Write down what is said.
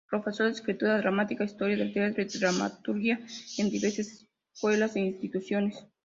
Profesor de "Escritura Dramática", "Historia del Teatro" y "Dramaturgia" en diversas escuelas e instituciones.